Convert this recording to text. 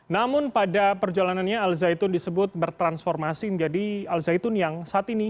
namun pada perjalanannya al zaitun disebut bertransformasi menjadi al zaitun yang saat ini